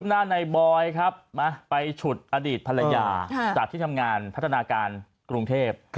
หน้าในบอยครับไปฉุดอดีตภรรยาจากที่ทำงานพัฒนาการกรุงเทพ